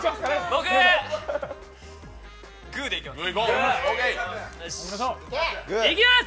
僕グーでいきます。